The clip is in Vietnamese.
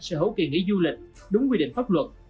sở hữu kỳ nghỉ du lịch đúng quy định pháp luật